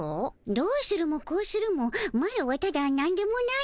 どうするもこうするもマロはただなんでもない